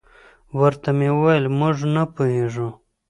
ورته مې وویل: موږ نه پوهېږو.